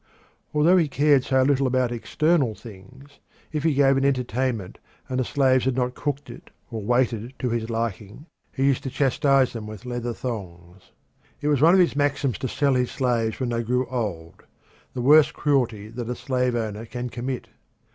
Although he cared so little about external things, if he gave an entertainment and the slaves had not cooked it or waited to his liking, he used to chastise them with leather thongs. It was one of his maxims to sell his slaves when they grew old the worst cruelty that a slave owner can commit.